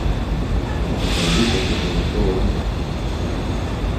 που καταδίκασε τον αθώο άνθρωπο.